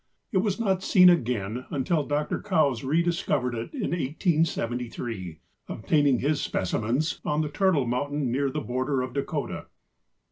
It was not seen again until Dr. Coues rediscovered it in 1873, obtaining his specimens on the Turtle Mountain, near the border of Dakota.